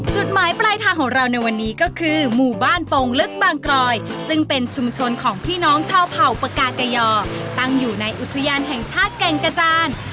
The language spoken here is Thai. จุดหมายปลายทางของเราในวันนี้ก็คือหมู่บ้านโป่งลึกบางกรอยซึ่งเป็นชุมชนของพี่น้องชาวเผ่าปากากยอตั้งอยู่ในอุทยานแห่งชาติแก่งกระจาน